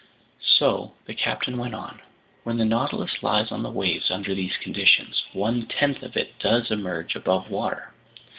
"So," the captain went on, "when the Nautilus lies on the waves under these conditions, one tenth of it does emerge above water.